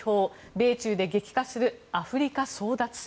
米中で激化するアフリカ争奪戦。